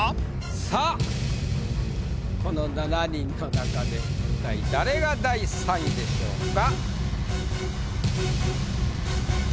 さあこの７人の中で一体誰が第３位でしょうか？